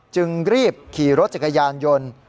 จึงรีบขี่รถจักรยานยนต์